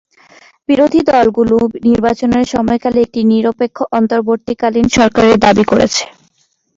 বিরোধী দলগুলি নির্বাচনের সময়কালে একটি নিরপেক্ষ অন্তর্বর্তীকালীন সরকারের দাবি করেছে।